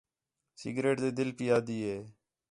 سگریٹ ݙے دِل پئی آہدی ہے